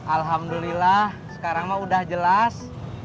alhamdulillah sekarang mah udah jelas